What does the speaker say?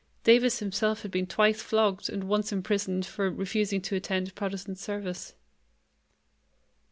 Davis himself had been twice flogged and once imprisoned for refusing to attend Protestant service.